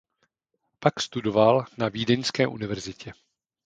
Pak studoval na Vídeňské univerzitě.